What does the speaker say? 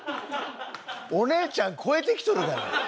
お姉ちゃん超えてきとるがな。